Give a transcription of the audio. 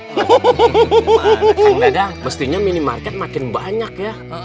bagaimana kang dadang mestinya minimarket makin banyak ya